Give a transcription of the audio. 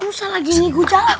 usah lagi ini gua jalan